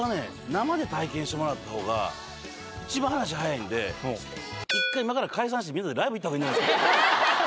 生で体験してもらったほうが一番話早いんで１回今から解散してみんなでライブ行ったほうがいいんじゃないですかね？